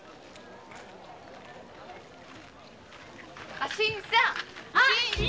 あ新さん！